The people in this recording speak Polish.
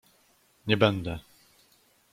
Nie będę!